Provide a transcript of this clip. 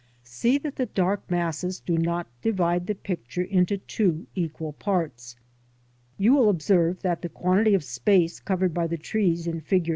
See that the dark masses do not divide the picture in two equal parts. (See illustrations A and B.) You will observe that the quantity of space covered by the trees in Fig.